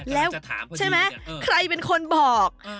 แล้วใช่ไหมใครเป็นคนบอก